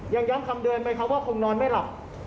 ยังย้ำคำเดือนไว้ก็ว่าคงนอนไมฟ์ล่ะ